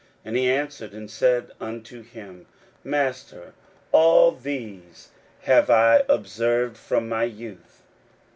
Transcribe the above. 41:010:020 And he answered and said unto him, Master, all these have I observed from my youth.